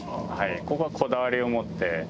ここはこだわりを持って。